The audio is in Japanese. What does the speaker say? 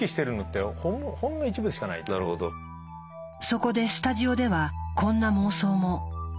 そこでスタジオではこんな妄想も。